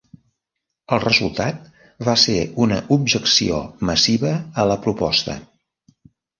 El resultat va ser una objecció massiva a la proposta.